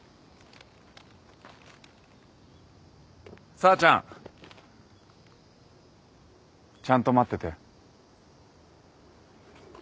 紗和ちゃん。ちゃんと待ってて。